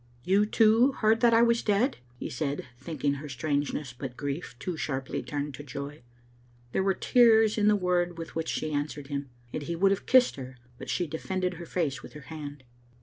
"You, too, heard that I was dead?" he said, thinking her strangeness but grief too sharply turned to joy. There were tears in the word with which she answered him, and he would have kissed her, but she defended her face with her hand.